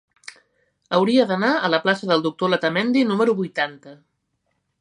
Hauria d'anar a la plaça del Doctor Letamendi número vuitanta.